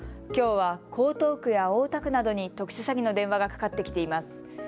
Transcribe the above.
きょうは江東区や大田区などに特殊詐欺の電話がかかってきています。